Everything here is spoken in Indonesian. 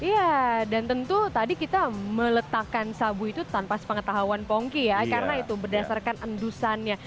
iya dan tentu tadi kita meletakkan sabu itu tanpa sepengetahuan pongki ya karena itu berdasarkan endusannya